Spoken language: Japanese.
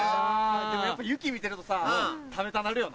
でもやっぱ雪見てるとさ食べたなるよな？